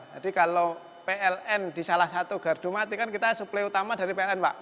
jadi kalau pln di salah satu gardu mati kan kita suplai utama dari pln pak